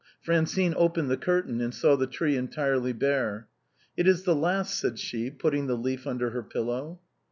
Francine opened the curtain, and saw the tree entirely bare. " It is the last," said she, putting the leaf under her pillow.